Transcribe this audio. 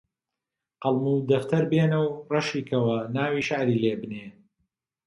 قەڵەم و دەفتەر بێنە و ڕەشی کەوە ناوی شیعری لێ بنێ